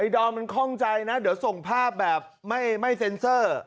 ไอ้ดอมเข้าใจนะเดี๋ยวส่งภาพแบบไม่เซ็นเซอร์